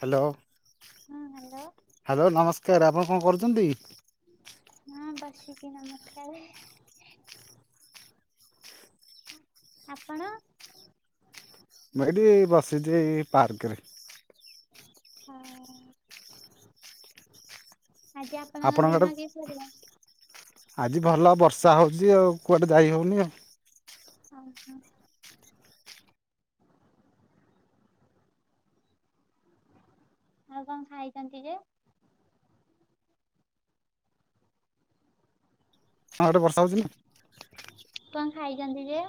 Hello. ହଁ hello hello ନମସ୍କାର ଆପଣ କଣ କରୁଛନ୍ତି? ହଁ ବସିକି ନମସ୍କାରେ। ଆପଣ? ମୁଁ ଏଇଠି ବସିଚି ଏ ପାର୍କରେ। ଆଉ ଆଜି ଆପଣଙ୍କ ଆଡୁ। ଦିନ କିପରି ଆଜି ଭଲ ବର୍ଷା ହଉଚି ଆଉ କୁଆଡ଼େ ଯାଇ ହଉନି ଆଉ। ଆ ହାଁ। ଆଉ କଣ ଖାଇଛନ୍ତି ଯେ? ହଁ ଏଟେ ବର୍ଷା ହଉଛିି ନା। କଣ ଖାଇଛନ୍ତି ଯେ?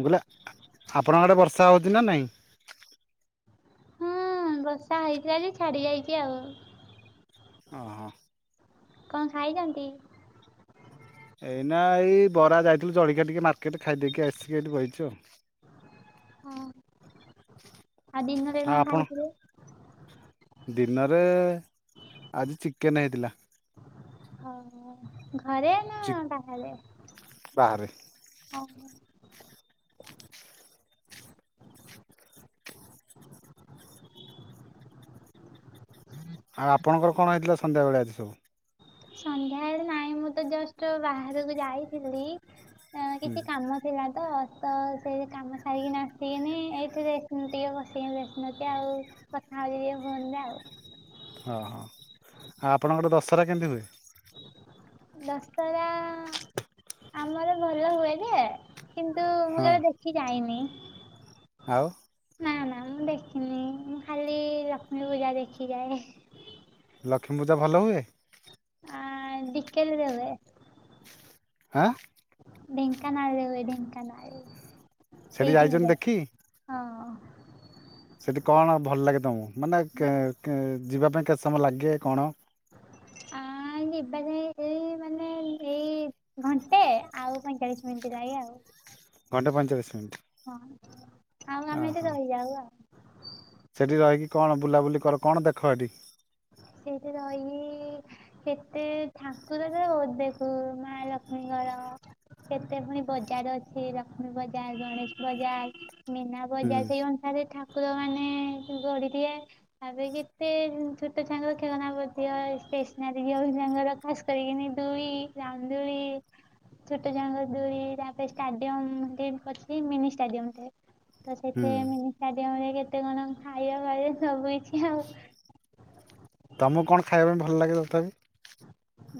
ମୁଁ କହିଲି ଆପଣଙ୍କ ଆଡ଼େ ବର୍ଷା ହଉଛି ନା ନାଇଁ। ହୁଁ ବର୍ଷା ହେଇଥିଲା ଯେ ଛାଡି ଯାଇଛି ଆଉ। ଓ ହଁ। କଣ ଖାଇଛନ୍ତି? ଏଇନା ଏଇ ବରା ଯାଇଥିଲୁ ଜଳଖିଆ ଟିକେ ମାର୍କେଟ ଖାଇଦେଇକି ଆସିକି ଏଠି ବଇଚୁ ଆଉ। ହଁ ଆ ଦିନରେ ଆଉ କଣ ଆପଣ ଖାଇଥିଲେ? ଦିନରେ ଆଜି ଚିକେନେ ହେଇଥିଲା। ଓ ହୋ ଘରେ ନା ଚି ବାହାରେ। ଅ ବାହାରେ ହଁ। ଆଉ ଆପଣଙ୍କର କଣ ହେଇଥିଲା ସନ୍ଧ୍ୟାବେଳେ ଆଜି ସବୁ। ସନ୍ଧ୍ୟାବେଳେ ନାଇଁ ମୁଁ ତ ଜଷ୍ଟ ବାହାରକୁ ଯାଇଥିଲି ଏ ହୁଁ କିଛି କାମ ଥିଲା ତ ତ ସେ କାମ ସାରିକିନା ଆସିକିନି ଏଇଠି ରେଷ୍ଟ ଟିକେ ବସିକିନି ରେଷ୍ଟ ନଉଚି ଆଉ। କଥା ହଉଚି ଟିକେ ଫୋନରେ ଆଉ। ହଁ ହଁ ଆଉ ଆପଣଙ୍କର ଦଶହରା କେମିତି ହୁଏ? ଦଶରା ଆମର ଭଲ ହୁଏ ଯେ କିନ୍ତୁ ମୁଁ ହଁ କେବେ ଦେଖି ଯାଇନି। ଆଉ। ନା ନା ମୁଁ ଦେଖିନି ମୁଁ ଖାଲି ଲକ୍ଷ୍ମୀ ପୂଜା ଦେଖିଯାଏ। ଲକ୍ଷ୍ମୀପୂଜା ଭଲ ହୁଏ। ଆ ଡିିକେଲ ରେ ହୁଏ। ଆ। ଢେଙ୍କାନାଳରେ ହୁଏ ଢେଙ୍କାନାଳରେ ସେଠି ସେଇଠିକି ଯାଇଛନ୍ତି ଯାଏ। ଦେଖି? ହଁ ଅଁ। ସେଠି କଣ ଭଲ ଲାଗେ ତମକୁ ମାନେ କେ କେ ଯିବା ପାଇଁ କେତେ ସମୟ ଲାଗେ କଣ। ଆ ଯିବା ପାଇଁ ଏଇ ମାନେ ଏଇ ଘଣ୍ଟେ ଆଉ ପଇଁଚାଳିଶ ମିନିଟ୍ ଲାଗେ ଆଉ। ଘଣ୍ଟେ ପଇଁଚାଳିଶି ମିନି୍ଟ। ହଁ ଆଉ ଆମେ ଏଠି ରହିଯାଉ ଆଉ। ସେଇଠି ରହିକି କଣ ବୁଲାବୁଲି କର କଣ ଦେଖ ଏଠି? ସେଇଠି ରହିକିି କେତେ ଠାକୁର ତ ବହୁତ ଦେଖୁ ମା ଲକ୍ଷ୍ମୀଙ୍କର। କେତେ ପୁଣି ବଜାର ଅଛି ଲକ୍ଷ୍ମୀ ବଜାର ଗଣେଶ ବଜାର ମୀନା ହୁଁ ବଜାର ସେଇ ଅନୁସାରେ ଠାକୁର ମାନେ ଗଢିଏ ତାପରେ କେତେ ଜିନିସ ଛୋଟ ଛୁଆଙ୍କର ଖେଳନା ପଡ଼ିଥିବ ଷ୍ଟେସନାରୀ ଝିଅ ପିଲାଙ୍କର ଖାସ କରିିକି ଦୁଳି ରାମଦୁଳି ଛୋଟ ଛୁଆଙ୍କ ଦୂଳି ତାପରେ ଷ୍ଟାଡିୟମ ଗେଟ୍ କରିଥିଲ ମିନି ଷ୍ଟାଡିୟମ ଟେ ତ ହୁଁ ସେଠି ମିନିଷ୍ଟଡିୟମରେ କେତେ କଣ ଖାଇବା ଫାଇବା ସବୁ କିଛି ଆଉ ତମକୁ କଣ ଖାଇବା ପାଇଁ ଭଲ ଲାଗେ ତଥାପି?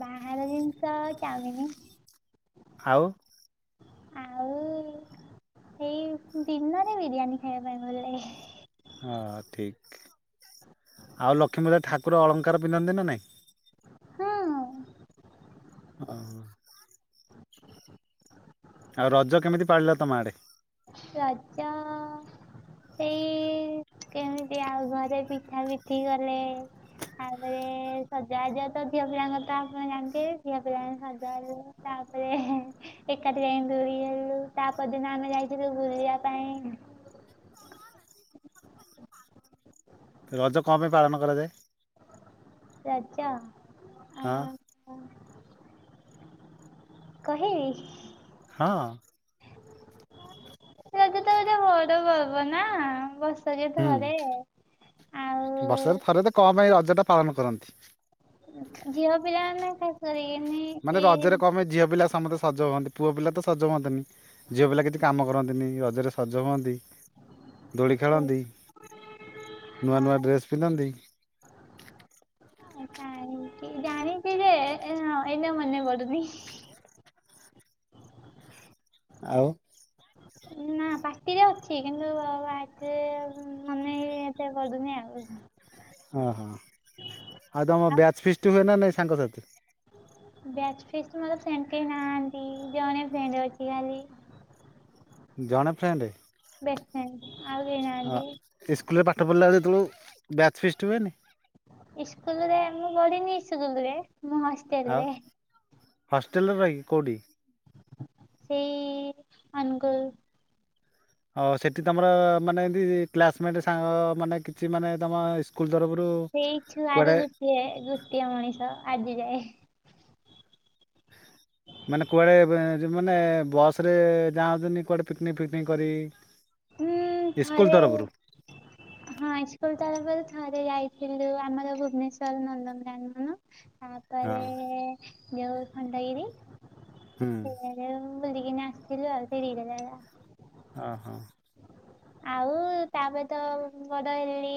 ବାହାରହାର ଜିନିଷ ଚାଉମିନି। ଆଉ ଆଉ ଏଇ ଦିନରେ ବିରିୟାନୀ ଖାଇବା ପାଇଁ ଭଲଲାଗେ। ହଁ ଠିକ ଆଉ ଲକ୍ଷ୍ମୀପୂଜା ଠାକୁର ଅଳଙ୍କାର ପିନ୍ଧନ୍ତି ନା ନାଇଁ। ହଁ ଓ ହ ଆଉ ରଜ କେମିତି ପାଳିଲ ତମ ଆଡ଼େ। ରଜ ଏଇ କେମିତି ଆଉ ଘରେ ପିଠା ପିଠି କଲେ। ତାପରେ ସଜବାଜ ତ ଝିଅ ପିଲାଙ୍କ ତ ଆପଣ ଜାଣିଥିବେ ଝିଅ ପିଲାମାନେ ସଜବାଜ ତାପରେ ଏକାଠି ଯାଇ ଦୁଳି ଖେଲିଲୁ ତା ପରଦିନ ଆମେ ଯାଇଥିଲୁ ଯୋଉ ବୁଲିବା ପାଇଁ। ରଜ କଣ ପାଇଁ ପାଳନ କରାଯାଏ? ରଜ ଆ ହଁ କହିବି ହଁ। ରଜ ତ ଗୋଟେ ବଡ ପର୍ବ ନା ବର୍ଷରେ ଥରେ। ଆଉ ବର୍ଷାରେ ଥରେ ତ କଣ ପାଇଁ ରଜଟା ପାଳନ କରନ୍ତି? ଝିଅ ପିଲାମାନେ [inaudible] ମାନେ ଏ ରଜରେ କଣ ପାଇଁ ଝିଅ ପିଲା ସମସ୍ତେ ସଜ ହୁଅନ୍ତି ପୁଅ ପିଲା ତ ସଜ ହୁଅନ୍ତିନି। ଝିଅ ପିଲା କିଛି କାମ କରନ୍ତିନି ରଜରେ ସଜ ହୁଅନ୍ତି। ଦୋଳି ଖେଳନ୍ତି ନୂଆ ନୂଆ ଡ୍ରେସ ପିନ୍ଧନ୍ତି। [inaudible] କାହିଁକି ଜାଣିଛି ଯେ ଏଇନେ ମନେ ପଡୁନି। ଆଉ। ନା। ପାଟି ରେ ଅଛି କିନ୍ତୁ ବାକ ମନେ ଏତେ ପଡୁନି ଆଉ। ଓହୋ ଆଉ ତମ ଆଉ ବ୍ୟାଚ୍ ଫିସଟି ହୁଏ ନା ନାଇଁ ସାଙ୍ଗସାଥି। ବ୍ୟାଚ ଫିସଟି ପାଇଁ କେଇ ଫ୍ରେଣ୍ଡ ନାହାନ୍ତି ଜଣେ ଫ୍ରେଣ୍ଡ ଅଛି ଖାଲି। ଜଣେ ଫ୍ରେଣ୍ଡ। ବେଶ ଫ୍ରେଣ୍ଡ ଆଉକେଇ ନାହାନ୍ତି। ସ୍କୁଲ ରେ ପାଠ ପଢିଲା ବେଳେ ଯେତେବେଳେ ବ୍ୟାଚ୍ ଫିଷ୍ଟ ହୁଏନି। ଇସ୍କୁଲ ରେ ମୁଁ ପଢିନି ସ୍କୁଲରେ ମୁଁ ହ ହଉ ହଷ୍ଟେଲ ରେ ରହିି କେଉଠି। ସେଇ ଅନୁଗୁଳ। ଓ ସେଠି ତମର ମାନେ ଏମିତି କ୍ଲାସମେଟ୍ ସାଙ୍ଗ ମାନେ କିଛି ମାନେ ତମ ସ୍କୁଲ ତରଫରୁ। ସେଇ ଛୁଆର କୁଆଡ଼େ ଗୋଟିଏ ଗୋଟିଏ ମଣିଷ ଆଜି ଯାଏ। [unintelligible] ମାନେ କୁଆଡ଼େ ମାନେ ବସ୍ରରେ ଯାଆନ୍ତିନି କୁଆଡ଼େ ପିକନିକ୍ ଫିକନିକ କରି। ଉଁ ସ୍କୁଲ ଥରେ ତରଫରୁ। [inaudible] ହଁ ସ୍କୁଲ ତରଫରୁ ଥରେ ଯାଇଥିଲୁ ଆମର ଭୁବନେଶ୍ୱର ନନ୍ଦନ କାନନ। ହଁ ତାପରେ ଯଉ ଖଣ୍ଡଗିରି ହୁଁ ସେ। ବୁଲିକିନି ଆସିଥିଲୁ ଆଉ ଫିରିଲାଗିଳା। ହଁ ହଁ। ଆଉ। ତାପରେ ତ ବଡ଼ ହେଲି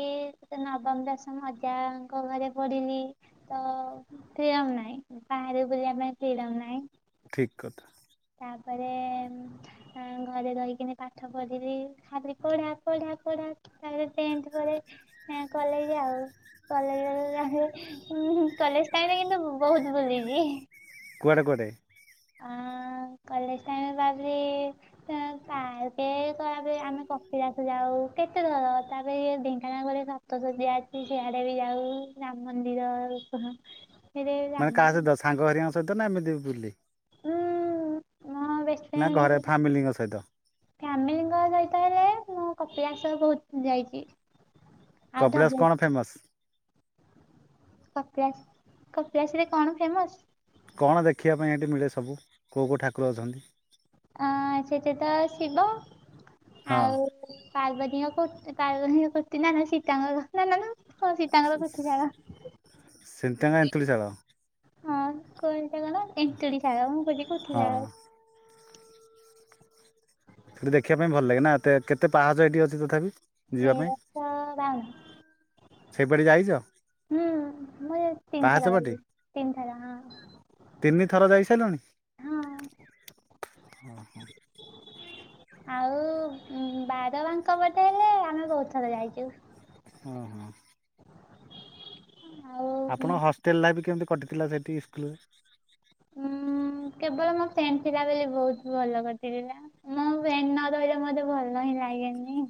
ତ ନବମ ଦଶମ ଅଜାଙ୍କ ଘରେ ପଢ଼ିଲି। ତ ଫିରମ ନାଇଁ ବାହାରେ ବୁଲିବା ପାଇଁ ଫିରମ ନାଇଁ। ଠିକ୍ କଥା। ତାପରେ। ଘରେ ରହିକିନି ପାଠ ପଢିଲି ଖାଲିି ପଢା ପଢା ପଢା। ତାପରେ ଟେନ୍ଥ ପରେ କଲେଜ ଆଉ। କଲେଜ କଲେଜ ଟାଇମରେ କିନ୍ତୁ ବହୁତ ବୁଲିଛି। କୁଆଡ଼େ କୁଆଡ଼େ? ଆ କଲେଜ ଟାଇମ ବାବି। ତାକ କ ଆମେ କପିିଲାକୁ ଯାଉ କେତେଥର ତାପରେ ଢେଙ୍କାନାଳର ଗରେ। ତ ତ ଯିଆଛି ସେଆଡେ ବି ଯାଉ ରାମ ମନ୍ଦିର। ସେଠି ମାନେ ରାମ କାହା ସହିତ ସାଙ୍ଗ ହରିଆଙ୍କ ସହିତ ନା ଏମିତି ବୁଲି। ଉଁ ମୋ ବେଷ୍ଟ ନା ଘରେ ଫ୍ରେଣ୍ଡ ଫ୍ୟାମିଲିଙ୍କ ସହିତ। ଫ୍ୟାମିଲିଙ୍କ ସହିତ ହେଲେ ମୁଁ କପିଳାେଶ୍ୱଵର ବହୁତ ଯାଇଛି। ଆଉ କପିଳାସ ଧବଳେଶ୍ୱର କଣ ଫେମସ? କପିଳାସ କପିଳାସରେ କଣ ଫେମସ। କଣ ଦେଖିବା ପାଇଁ ଏଇଠି ମିଳେ ସବୁ କେଉଁ କେଉଁ ଠାକୁର ଅଛନ୍ତି? ଅଁ ସେଠି ତ ଶିବ ହଁ ଆଉ। ପାର୍ବତୀଙ୍କ କୁର୍ତ୍ତୀ ପାର୍ବତୀ କୁର୍ତ୍ତୀ ନାନ ସୀତାଙ୍କର ନାନାନ ହଁ ସୀତାଙ୍କର କୁର୍ତ୍ତୀ ସାଣ। ସେତାଙ୍କ ଏନ୍ତୁଳିଶାଳ।। ହଁ କହନ୍ତି କଣ ଏନ୍ତୁଳିଶାଳ ଜାଗା ମୁଁ କଛିି କଉଠି ହଁ ଜାଗା। ସେଠି ଦେଖିବା ପାଇଁ ଭଲ ଲାଗେ ନା ଏ କେତେ ପାହାଚ ଏଠି ଅଛି ତଥାପି। ଯିବା ତେରଶହ ବାଉନ ପାଇଁ ସେଇପଟେ ଯାଇଛ। ହୁଁ ମେ ପାହାଚ ତିନିଥର ପଟେ ଭ ତିନିଥର ହଁ। ତିନି ଥର ଯାଇସାରିଲୁଣି ହଁ ଓହୋ। [unintelligible] ଆଉ ବାଦ ମାଙ୍କ ବଟେ ହେଲେ ଆମେ ବହୁତ ଥର ଯାଇଛୁ। ହଁ ହୋ। ଆଉ ଆପଣ ହଷ୍ଟେଲ ଲାଇଫ କେମିତି କଟିଥିଲା ସେଠି ସ୍କୁଲରେ? ଉଁ କେବଳ ମୋ ଫ୍ରେଣ୍ଡ ଥିଲାବେଳେ ବହୁତ ଭଲ କରିଥିଲା ନା ମୋ ଫ୍ରେଣ୍ଡ ନରହିଲେ ମତେ ଭଲ ହିଁ ଲାଗେନି।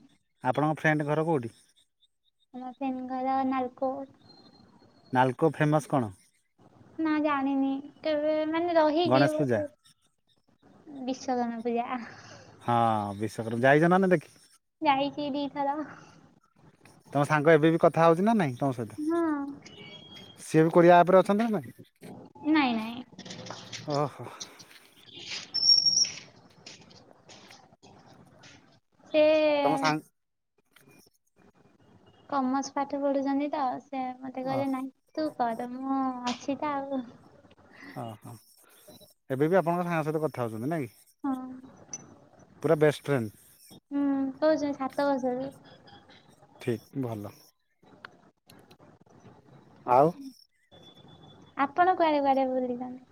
ଆପଣଙ୍କ ଫ୍ରେଣ୍ଡ ଘର କୋଉଠି? ମୋ ଫ୍ରେଣ୍ଡ ଘର ନାଲକୋ। ନାଲକୋ ଫେମସ୍ କଣ? ନା ଜାଣିନି କେବେ ମାନେ ରହିଚି ଗଣେଶ ପୂଜା ଗୋଟେ ବିଶ୍ଵକର୍ମା ପୂଜା ଆ। ହଁ ବିଶ୍ୱକ ଯାଇଚ ନ ନା ଦେଖି ଯାଇଚି ଦିଥର। ତମ ସାଙ୍ଗ ଏବେବି କଥା ହଉଛି ନା ନାଇଁ ତମ ସହିତ? ହଁ। ସିଏ ବି କୋରିଆ ଆପ୍ ରେ ଅଛନ୍ତି ନା ନାଇଁ? ନାଇଁ ନାଇଁ ଓ ହୋ। ସେ ତମ ସା କମର୍ସ ପାଠ ପଢୁଛନ୍ତି ତ, ସେ ମୋତେ କହିଲେ ନାଇଁ ତୁ କର ମୁଁ ଅଛି ତ ଆଉ। ହଁ- ହଁ ଏବେ ବି ଆପଣଙ୍କ ସାଙ୍ଗ ସହିତ କଥା ହଉଛନ୍ତି ନାଇଁ କି? ହଁ। ପୁରା ବେଷ୍ଟ ଫ୍ରେଣ୍ଡ। ହୁଁ ହଉଚି ସାତ ବର୍ଷରୁ। ଠିକ୍ ଭଲ। ଆଉ ଆପଣ କୁଆଡେ କୁଆଡେ ବୁଲିଛନ୍ତି?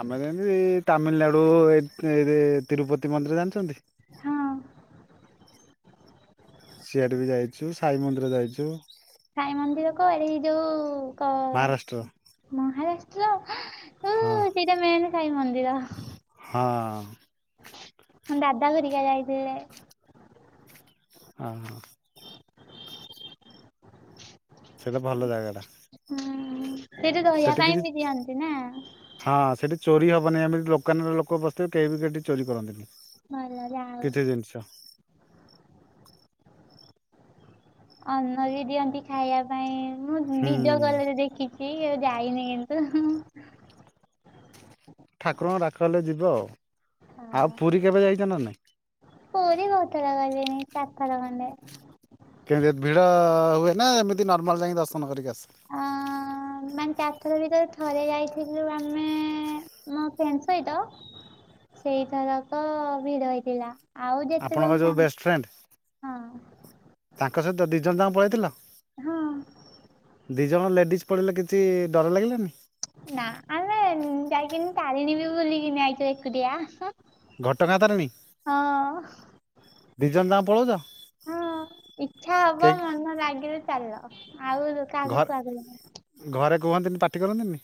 ଆମେ ଯେମିତି ତାମିଲନାଡୁ, ଏ ଏ ତିରୁପତି ମନ୍ଦିର ଜାଣିଚନ୍ତି? ହଁ। ସିଆଡେ ବି ଯାଇଚୁ, ସାଇ ମନ୍ଦିର ଯାଇଚୁ। ସାଇ ମନ୍ଦିର କୁଆଡେ? ଏ ଯୋଉ କ ମହାରାଷ୍ଟ୍ର। ମହାରାଷ୍ଟ୍ର ହେଁ ହଁ। ସେଇଟା ମେନ୍ ସାଇ ମନ୍ଦିର। ହଁ। ମୋ ଦାଦା ହେରିକା ଯାଇଥିଲେ। ଅ- ହ। ସିଏ ତ ଭଲ ଜାଗାଟା। ହୁଁ ସେଇଟି ରହିଆ ସେଠି ପାଇଁ କିଛି ବି ଦିଅନ୍ତି ନା? ହଁ ସେଠି ଚୋରି ହବନି, ଏମିତି ବି ଦୋକାନରେ ଲୋକ ବସିଥିବେ କେହି ବି ସେଠି ଚୋରି କରନ୍ତିନି। [unintelligible] ଆଉ କିଛି ଜିନିଷ। ଅନ୍ନ ବି ଦିଅନ୍ତି ଖାଇଆ ପାଇଁ, ମୁଁ ହୁଁ ଭିଡିଓ କଲ୍ ରେ ଦେଖି ଚି କେବେ ଯାଇନି କିନ୍ତୁ। ଠାକୁରଙ୍କ ଡାକ ହେଲେ ଯିବ ଆଉ, ଆଉ ହଁ। ପୁରୀ କେବେ ଯାଇଚ ନା ନାଇଁ? ପୁରୀ ବହୁଥର ଗଲିଣି, ଚାରିଥର ଖଣ୍ଡେ। କେମିତି ଭିଡ ହୁଏ ନା? ଏମିତି ନର୍ମାଲ ଯାଇକି ଦର୍ଶନ କରିକି ଆସ। ଅଁ ମାନେ ଚାରିଥର ଭିତରେ ଥରେ ଯାଇଥିଲୁ, ଆମେ ମୋ ଫ୍ରେଣ୍ଡ ସହିତ ସେଇଥରକ ଭିଡ ହେଇଥିଲା, ଆଉ ଯେତେ ତ ଆପଣଙ୍କ ଯୋଉ ଯା ବେଷ୍ଟ ଫ୍ରେଣ୍ଡ ହଁ ତାଙ୍କ ସହିତ ଦିଜଣ ଯାଙ୍କ ପଳେଇଥିଲ? ହଁ। ଦି ଜଣ ଲେଡ଼ିଜ୍ ପଳେଇଲ, କିଛି ଡର ଲାଗିଲାନି? ନା ଆମେ ଯାଇକିନି ତାରିଣୀ ବି ବୁଲିକିନି ଆଇଚୁ ଏକୁଟିଆ। ଘଟଗାଁ ତାରେଣୀ ଦି ଜଣ ଯାଙ୍କ ପଳଉଚ? ହଁ ଇଚ୍ଛା ହବ ମନ ଲାଗିଲେ ଚାଲ, ଆଉ କାହାକୁୁ ଘରେ କୁହା କୁହି ନାହିଁ। ଘରେ କୁହନ୍ତିନି, ପାଟି କରନ୍ତିନି?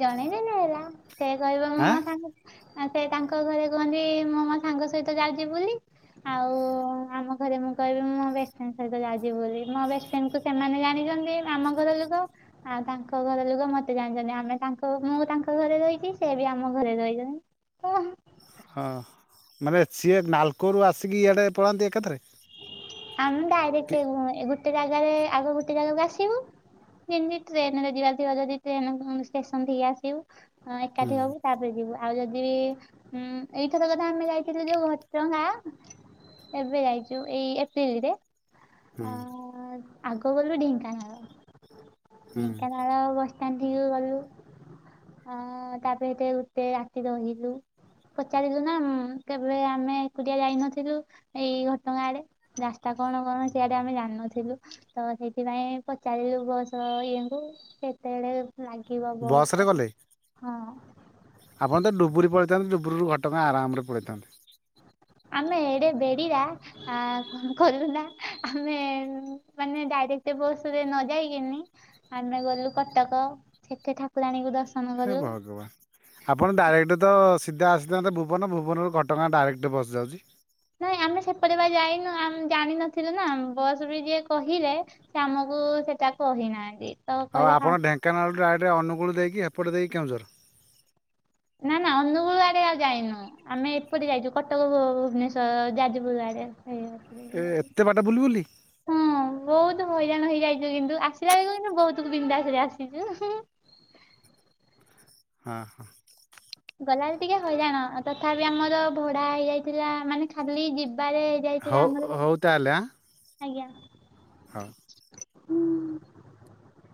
ଜଣେଇ ଦେଲେ ହେଲା, ସେ କହିବ ମୁଁ ଆଁ ମୋ ସାଙ୍ଗ ଆ ସେ ତାଙ୍କ ଘରେ କୁହନ୍ତି, ମୁଁ ମୋ ସାଙ୍ଗ ସହିତ ଯାଉଚି ବୁଲି। ଆଉ ଆମ ଘରେ ମୁଁ କହିବି, ମୁଁ ମୋ ବେଷ୍ଟଫ୍ରେଣ୍ଡ ସହିତ ଯାଉଛି ବୋଲି। ମୋ ବେଷ୍ଟଫ୍ରେଣ୍ଡକୁ ସେମାନେ ଜାଣିଛନ୍ତି ଆମ ଘର ଲୋକ, ଆଉ ତାଙ୍କ ଘର ଲୋକ ମତେ ଜାଣିଛନ୍ତି। ଆଉ ଆମେ ତାଙ୍କ ମୁଁ ତାଙ୍କ ଘରେ ରହିଛି, ସେ ବି ଆମ ଘରେ ରହିଛନ୍ତି। ହଁ ମାନେ ସିଏ ନାଲକୋରୁ ଆସିକି ଇଆଡ଼େ ପଳାନ୍ତି ଏକାଥରେ। ଆମ କି ଡାଇରେକ୍ଟ ଗୋଟେ ଜାଗାରେ, ଆଗ ଗୋଟେ ଜାଗାକୁ ଆସିବୁ ଯେମିତି ଟ୍ରେନରେ ଯିବାର ଥିବ ଯଦି ଟ୍ରେନ ଷ୍ଟେସନଠି କି ଆସିବୁ, ହୁଁ ଏକାଠି ହବୁ ତାପରେ ଯିବୁ। ଆଉ ଯଦି ବି ଉଁ ଏଇଥର କଥା ଆମେ ଯାଇଥିଲୁ ଯୋଉ ଘଟଗାଁ। ଏବେ ଯାଇଛୁ ଏଇ ଏପ୍ରିଲରେ ହୁଁ ଆ ଆ ଆଗ ଗଲୁ ଢେଙ୍କାନାଳ। ହୁଁ ଢ଼େଙ୍କାନାଳ ବସ ଷ୍ଟାଣ୍ଡଟିକୁ ଗଲୁ। ହଁ ହ ତାପରେ ଏଠେ ଗୋଟେ ରାତି ରହିଲୁ। ପଚାରିଲୁ ନା କେବେ ଆମେ ଏକୁଟିଆ ଯାଇନଥିଲୁ, ଏଇ ଘଟଗାଁ ଆଡେ। ରାସ୍ତା କଣ କଣ ସେ ଆଡେ ଆମେ ଜାଣିନଥିଲୁ। ତ ସେଇଥିପାଇଁ ପଚାରିଲୁ ବସ ଇଏଙ୍କୁ କେତେବେଳେ ଲାଗିବ ବସରେ ବସ ଗଲେ ହଁ। ଆପଣ ତ ଡୁବୁରି ପଳେଇଥାନ୍ତେ ଡୁବୁରିରୁ ଘଟଗାଁ ଆରାମରେ ପଳେଇଥାନ୍ତେ। ଆମେ ଏଡେ ବେଡି ଟା ଆ କଣ କଲୁ ନା ଆମେ ମାନେ ଡାଇରେକ୍ଟ ବସ ରେ ନ ଯାଇକିନି ଆମେ ଗଲୁ କଟକ ସେଠି ଠାକୁରାଣୀ ଦର୍ଶନ ହେ କଲୁ ଭଗବାନ। ଆପଣ ଡାଇରେକ୍ଟ ତ ସିଧା ଆସିଥାନ୍ତେ ଭୁବନ ଭୁବନରୁ ଘଟଗାଁ ଡାଇରେକ୍ଟ ବସ ଯାଉଛି। ନାଇଁ ଆମେ ସେପଟେ ବା ଯାଇନୁ ଜାଣିନଥିଲୁ ନା ବସ ବି ଯିଏ କହିଲେ ସେ ଆମକୁ ସେଟା କହିନାହାନ୍ତି। ତ ଆଉ କହିଲେ ଆପଣ ଫାଷ୍ଟ ଢେଙ୍କାନାଳ ଡାଇରେଟ ଅନୁଗୁଳ ଦେଇକି ଏପଟେ ଦେଇକି କେଉଁଝର। ନା ନା ଅନୁଗୁଳୁ ଆଡେ ଆଉ ଯାଇନୁ। ଆମେ ଏପଟେ ଯାଇଛୁ କଟକ ଭୁବନେଶ୍ଵର ଯାଜପୁରୁ ଆଡେ ସେଇ ବାଟରେ ହିଁ ଏ ଯାଇଛୁ। ଏତେ ବାଟ ବୁଲି ବୁଲି? ହଁ ବହୁତ ହଇରାଣ ହେଇଯାଇଛୁ କିନ୍ତୁ ଆସିଲା ବେଳୁ ବିନ୍ଦାସରେ ଆସିଛୁ। ହଁ ହଁ ହଁ। ଗଲାବେଳେ ଟିକେ ହଇରାଣ ତଥାପି ଆମର ଭଡା ହେଇଯାଇଥିଲା ମାନେ ଖାଲି ଯିବାରେ ଯାଇଥିଲେ ହଉ ଆମର ହଉ ଆଜ୍ଞା। ହଁ। ହୁଁ।